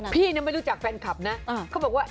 พี่ไม่รู้จากแฟนคลับนะ